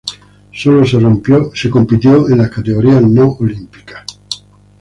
Sólo se compitió en las categorías no olímpicas.